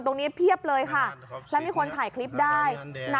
ตรงนี้เพียบเลยค่ะแล้วมีคนถ่ายคลิปได้